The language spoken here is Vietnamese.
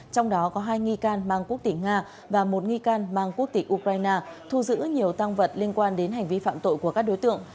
trong đó có hai nghi can mang quốc tịch nga và một nghi can mang quốc tịch ukraine thu giữ nhiều tăng vật liên quan đến hành vi phạm tội của các đối tượng